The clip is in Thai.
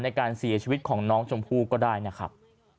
ในการเสียชีวิตของน้องชมพู่ก็ได้นะครับ